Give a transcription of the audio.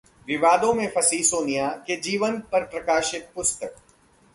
विवादों में फंसी सोनिया के जीवन पर प्रकाशित पुस्तक